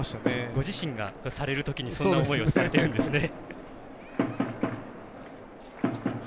ご自身がそんな思いをされているんですね。